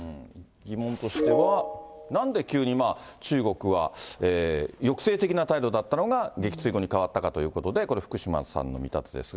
疑問としては、なんで急に中国は抑制的な態度だったのが、撃墜後に変わったということで、これ福島さんの見たてですが。